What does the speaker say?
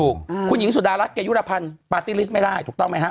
ถูกอืมคุณหญิงสุดารักเกยุรพันธุ์ไม่ได้ถูกต้องไหมฮะ